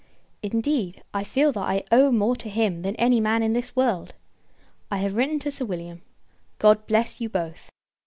Indeed, I feel, that I owe more to him than any man in this world. I have written to Sir William; God bless you both!